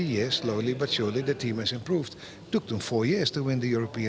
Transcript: memang membutuhkan empat tahun untuk menangkan pertempuran eropa